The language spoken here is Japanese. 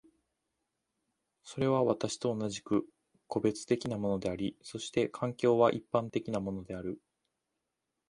それは私と同じく個別的なものであり、そして環境は一般的なものである。